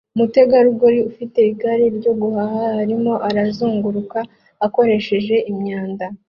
umutegarugori ufite igare ryo guhaha arimo arazunguruka akoresheje imyanda